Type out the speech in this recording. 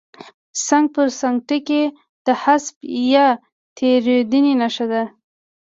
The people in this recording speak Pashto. څنګ پر څنګ ټکي د حذف یا تېرېدنې نښه ده.